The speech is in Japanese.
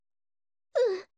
うん。